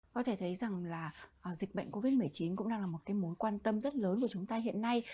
có thể thấy rằng là dịch bệnh covid một mươi chín cũng đang là một cái mối quan tâm rất lớn của chúng ta hiện nay